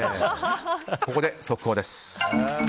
ここで速報です。